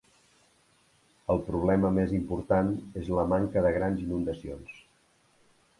El problema més important és la manca de grans inundacions.